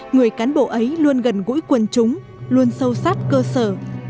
người cán bộ ấy luôn gần gũi quần chúng luôn sâu sát cơ sở